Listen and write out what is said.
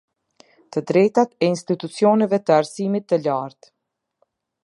Të drejtat e institucioneve të arsimit të lartë.